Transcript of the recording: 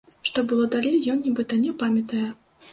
Што было далей, ён, нібыта, не памятае.